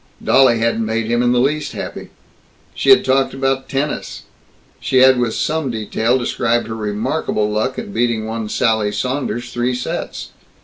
Dolly hadn't made him in the least happy. She had talked about tennis; she had with some detail described her remarkable luck in beating one Sally Saunders three sets.